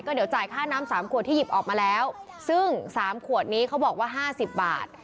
เดี๋ยวจ่ายค่าน้ำสามขวดที่หยิบออกมาแล้วซึ่งสามขวดนี้เขาบอกว่า๕๐บาท